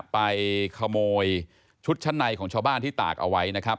ไปขโมยชุดชั้นในของชาวบ้านที่ตากเอาไว้นะครับ